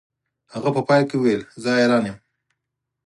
هغه په پای کې وویل زه حیران یم